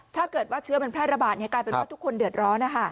ถ้าเกิดว่าเชื้อมันแพร่ระบาดกลายเป็นว่าทุกคนเดือดร้อน